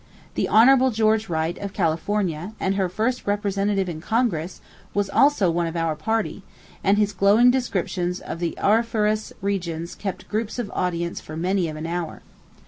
The Hon. George Wright, of California, and her first representative in Congress, was also one of our party; and his glowing descriptions of the auriferous regions kept groups of audience for many an hour.